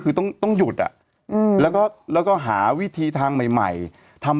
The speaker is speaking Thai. คือต้องต้องหยุดอ่ะอืมแล้วก็หาวิธีทางใหม่ใหม่ทำ